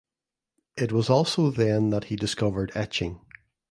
It was also then that he discovered etching.